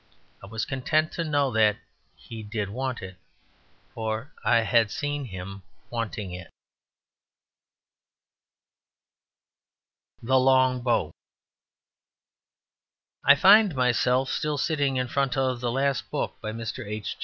I was content to know that he did want it; for I had seen him wanting it. The Long Bow I find myself still sitting in front of the last book by Mr. H.